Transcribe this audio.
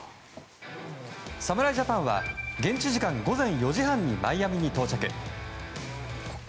侍ジャパンは現地時間午前４時半にマイアミに到着。